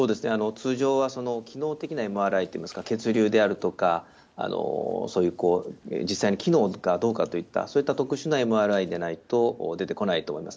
通常は機能的なＭＲＩといいますか、血流であるとか、そういう実際に機能がどうかという、そういった特殊なＭＲＩでないと出てこないと思います。